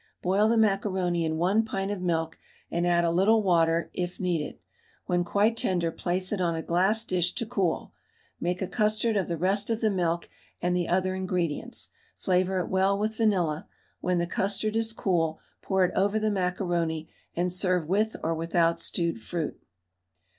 Boil the macaroni in 1 pint of milk, and add a little water it needed; when quite tender place it on a glass dish to cool; make a custard of the rest of the milk and the other ingredients; flavour it well with vanilla; when the custard is cool pour it over the macaroni, and serve with or without stewed fruit.